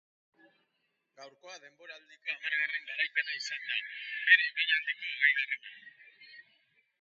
Gaurkoa denboraldiko hamargarren garaipena izan da, bere ibilaldiko hogeigarrena.